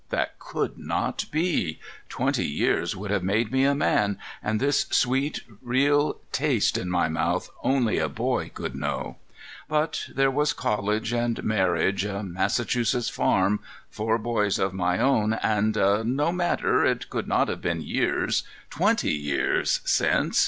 That could not be. Twenty years would have made me a man, and this sweet, real taste in my mouth only a boy could know. But there was college, and marriage, a Massachusetts farm, four boys of my own, and—no matter! it could not have been years—twenty years—since.